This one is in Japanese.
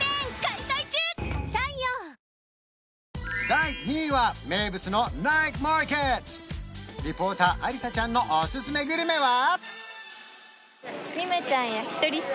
第２位は名物のナイトマーケットリポーターありさちゃんのおすすめグルメは？